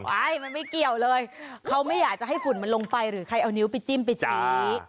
ไม่มันไม่เกี่ยวเลยเขาไม่อยากจะให้ฝุ่นมันลงไปหรือใครเอานิ้วไปจิ้มไปชี้